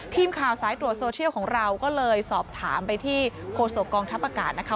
ทีมข่าวสายตรวจโซเชียลของเราก็เลยสอบถามไปที่โคศกองทัพอากาศนะคะ